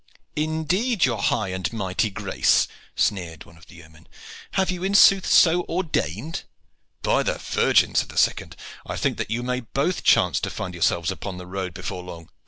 "Indeed, your high and mighty grace," sneered one of the yeomen, "have you in sooth so ordained?" "By the Virgin!" said a second, "I think that you may both chance to find yourselves upon the road before long."